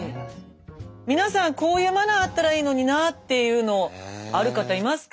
皆さんこういうマナーあったらいいのになっていうのある方いますか？